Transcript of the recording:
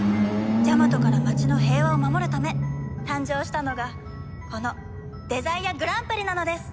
ジャマトから町の平和を守るため誕生したのがこのデザイアグランプリなのです！